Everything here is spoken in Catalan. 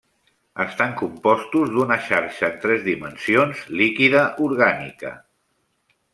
Estan compostos d'una xarxa en tres dimensions líquida orgànica.